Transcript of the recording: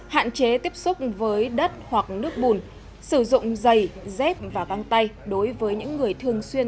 hạn chế tiếp xúc với đất hoặc nước bùn sử dụng giày dép và găng tay đối với những người thường xuyên